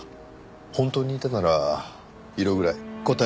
本当にいたなら色ぐらい答えられるよね？